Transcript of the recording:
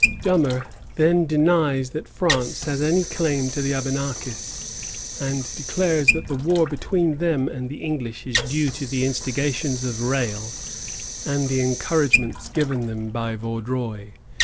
Dummer then denies that France has any claim to the Abenakis, and declares that the war between them and the English is due to the instigations of Rale and the encouragements given them by Vaudreuil.